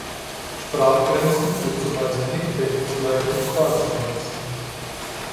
Sprachgrenzen sind zumeist nicht deckungsgleich mit Staatsgrenzen.